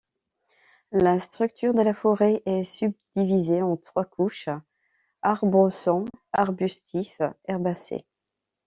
La structure de la forêt est subdivisée en trois couches: arborescent, arbustif, herbacé.